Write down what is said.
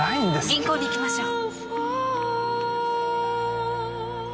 銀行に行きましょう。